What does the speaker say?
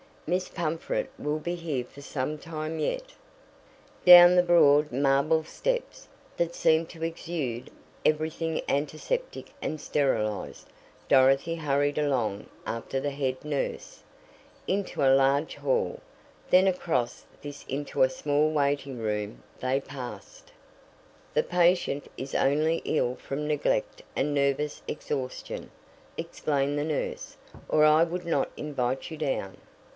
"Miss Pumfret will be here for some time yet." Down the broad marble steps, that seemed to exude everything antiseptic and sterilized, Dorothy hurried along after the head nurse. Into a large hall, then across this into a small waiting room they passed. "The patient is only ill from neglect and nervous exhaustion," explained the nurse, "or I would not invite you down."